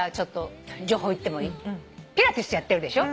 ピラティスやってるでしょ？